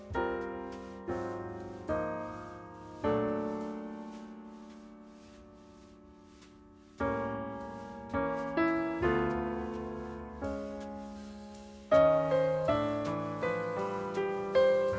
tidak ada yang bisa disuruh